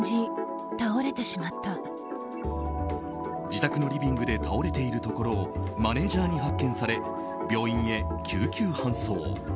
自宅のリビングで倒れているところをマネジャーに発見され病院へ救急搬送。